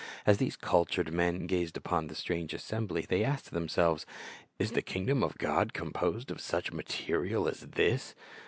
As these cultured men gazed upon the strange assembly, they asked themselves, Is the kingdom of God composed of such material as this